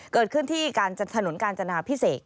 เกิดขึ้นที่ถนนกาญจนาพิเศษ